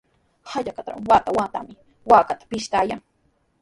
Hallqatraw wata-watami waakata pishtayan.